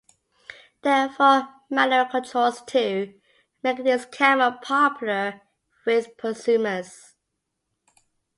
There are full manual controls too, making this camera popular with prosumers.